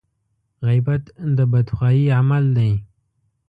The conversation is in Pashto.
غيبت د بدخواهي عمل دی.